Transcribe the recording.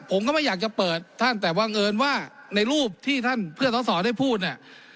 ผมก็ไม่อยากจะเปิดท่านแต่บังเอิญว่าในรูปที่ท่านเพื่อนสอสอได้พูดเนี่ย